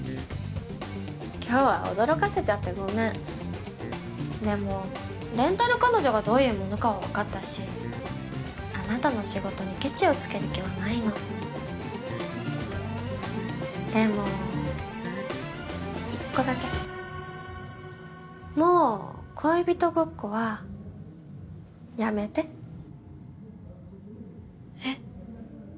今日は驚かせちゃってごめんでもレンタル彼女がどういうものかは分かったしあなたの仕事にケチをつける気はないのでも１個だけもう恋人ごっこはやめてえっ？